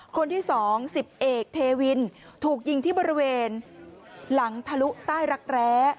คนที่๒๑๐เอกเทวินถูกยิงที่บริเวณหลังทะลุใต้รักแร้